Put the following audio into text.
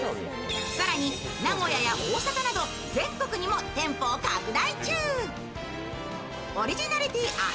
更に名古屋や大阪など全国にもテンポを拡大中。